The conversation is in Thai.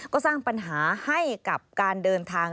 ก็สร้างปัญหาให้กับการเดินทาง